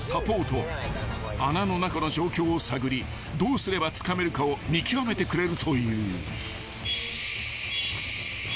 ［穴の中の状況を探りどうすればつかめるかを見極めてくれるという］